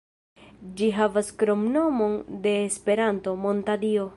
Ĝi havas kromnomon de Esperanto, "Monta Dio".